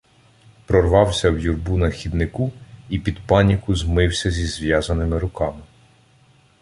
Прорвався в юрбу на хіднику і під паніку змився зі зв'язаними руками.